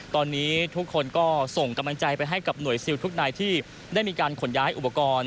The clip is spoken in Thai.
ตอนนี้ทุกคนก็ส่งกำลังใจไปให้กับหน่วยซิลทุกนายที่ได้มีการขนย้ายอุปกรณ์